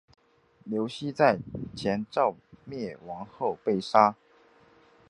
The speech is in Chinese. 刘熙在前赵灭亡后被杀。